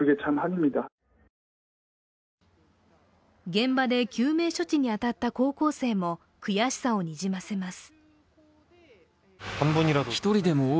現場で救命処置に当たった高校生も悔しさをにじませます。